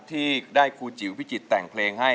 ที่ได้ครูจิ๋วพิจิตรแต่งเพลงให้